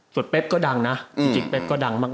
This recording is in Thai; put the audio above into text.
ส่วนเป๊บก็ดังพิจิกก็ดังมาก